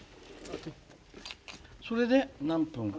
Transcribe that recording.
それで何分？